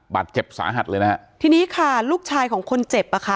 บาดเจ็บสาหัสเลยนะฮะทีนี้ค่ะลูกชายของคนเจ็บอ่ะค่ะ